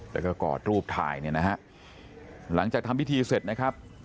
แล้วก็กอดรูปถ่ายเนี่ยนะฮะหลังจากทำพิธีเสร็จนะครับ